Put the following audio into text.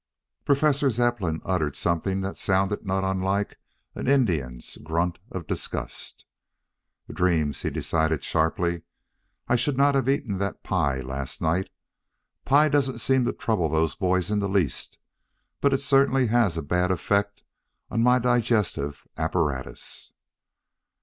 Professor Zepplin uttered something that sounded not unlike an Indian's grunt of disgust. "Dreams!" he decided sharply. "I should not have eaten that pie last night. Pie doesn't seem to trouble those boys in the least, but it certainly has a bad effect on my digestive apparatus."